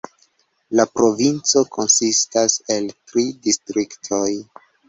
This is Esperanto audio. La provinco konsistas el tri distriktoj.